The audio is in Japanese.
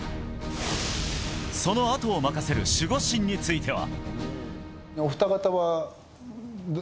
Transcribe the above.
そのあとを任せる守護神については。